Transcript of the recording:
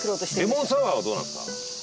レモンサワーはどうなんですか？